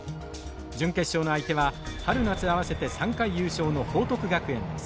準決勝の相手は春夏合わせて３回優勝の報徳学園です。